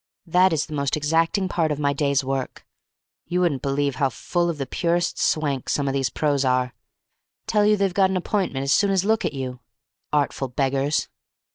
That is the most exacting part of my day's work. You wouldn't believe how full of the purest swank some of these pros. are. Tell you they've got an appointment as soon as look at you. Artful beggars!"